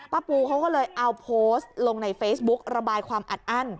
ปูเขาก็เลยเอาโพสต์ลงในเฟซบุ๊กระบายความอัดอั้น